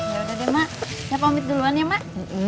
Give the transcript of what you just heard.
ya udah deh mak saya pamit duluan ya mak